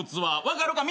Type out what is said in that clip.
分かるか？